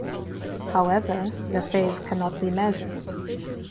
However, the phase cannot be measured.